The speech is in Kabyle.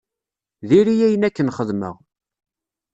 Diri ayen akken xedmeɣ.